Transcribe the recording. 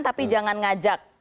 tapi jangan ngajak